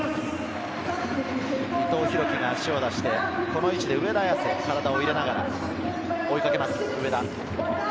伊藤洋輝が足を出して、この位置で上田綺世、体を入れながら追いかけます、上田。